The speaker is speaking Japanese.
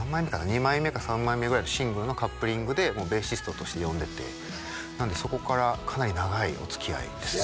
２枚目か３枚目ぐらいのシングルのカップリングでベーシストとして呼んでてなのでそこからかなり長いおつきあいですね